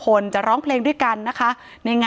ถ้าใครอยากรู้ว่าลุงพลมีโปรแกรมทำอะไรที่ไหนยังไง